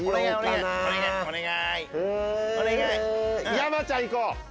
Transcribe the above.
山ちゃん行こう！